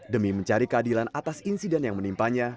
demi mencari keadilan atas insiden yang menimpanya